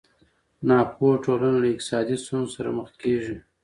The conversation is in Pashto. ناپوهه ټولنه له اقتصادي ستونزو سره مخ کېږي.